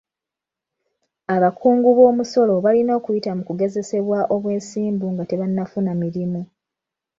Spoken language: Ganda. Abakungu b'omusolo balina okuyita mu kugezesebwa obwesimbu nga tebannafuna mirimu.